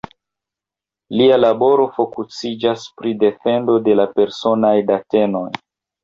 Lia laboro fokusiĝas pri defendo de la personaj datenoj.